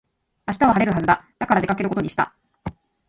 明日は晴れるはずだ。だから出かけることにした。